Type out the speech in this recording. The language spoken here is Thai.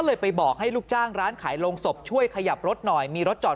ไปบอกให้ลูกจ้างร้านขายโรงศพช่วยขยับรถหน่อยมีรถจอด